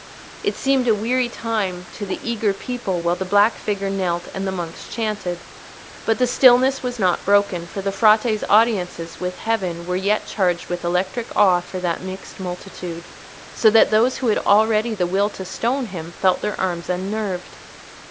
It seemed a weary time to the eager people while the black figure knelt and the monks chanted. But the stillness was not broken, for the Frate's audiences with Heaven were yet charged with electric awe for that mixed multitude, so that those who had already the will to stone him felt their arms unnerved.